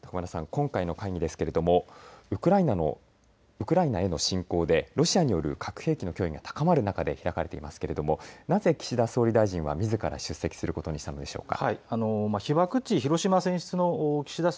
今回の会議ですけれどもウクライナへの侵攻でロシアによる核兵器の脅威が高まる中で開かれていますけれどなぜ岸田総理みずから出席することにしたのでしょうか。